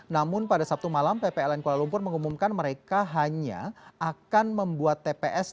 namun pada sabtu malam ppln kuala lumpur mengumumkan mereka hanya akan membuat tps